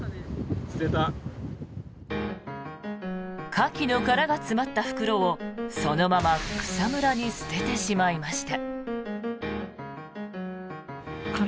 カキの殻が詰まった袋をそのまま草むらに捨ててしまいました。